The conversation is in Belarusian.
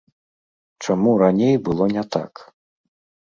Чаму раней было не так?